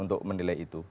untuk menilai itu